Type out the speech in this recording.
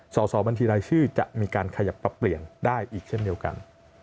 สอบบัญชีรายชื่อจะมีการขยับปรับเปลี่ยนได้อีกเช่นเดียวกัน